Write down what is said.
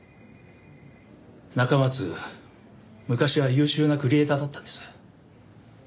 中松昔は優秀なクリエーターだったんです。